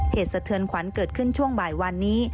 สะเทือนขวัญเกิดขึ้นช่วงบ่ายวันนี้